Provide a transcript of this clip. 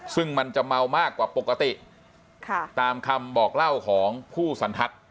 ซึ่งมันจะเมามากกว่าปกติตามคำบอกเล่าของผู้สันทัศน์